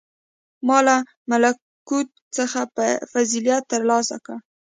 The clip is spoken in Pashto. • ما له ملکوت څخه فضیلت تر لاسه کړ.